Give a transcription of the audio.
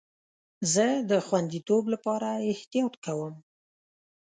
زه د خوندیتوب لپاره احتیاط کوم.